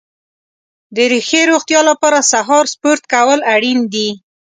د ښې روغتیا لپاره سهار سپورت کول اړین دي.